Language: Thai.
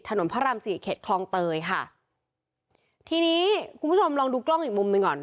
พระรามสี่เข็ดคลองเตยค่ะทีนี้คุณผู้ชมลองดูกล้องอีกมุมหนึ่งก่อน